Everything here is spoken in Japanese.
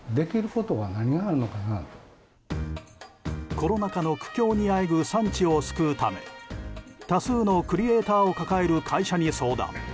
コロナ禍の苦境にあえぐ産地を救うため多数のクリエーターを抱える会社に相談。